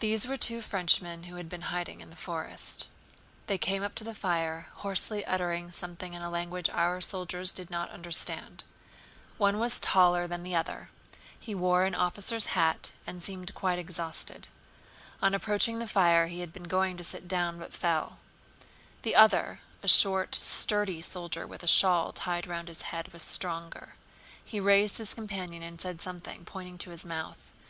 These were two Frenchmen who had been hiding in the forest. They came up to the fire, hoarsely uttering something in a language our soldiers did not understand. One was taller than the other; he wore an officer's hat and seemed quite exhausted. On approaching the fire he had been going to sit down, but fell. The other, a short sturdy soldier with a shawl tied round his head, was stronger. He raised his companion and said something, pointing to his mouth.